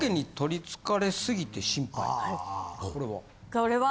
これは？